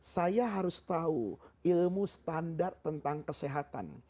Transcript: saya harus tahu ilmu standar tentang kesehatan